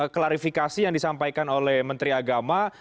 klarifikasi yang disampaikan oleh menteri agama